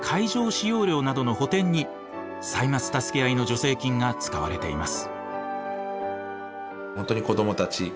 使用料などの補填に「歳末たすけあい」の助成金が使われています。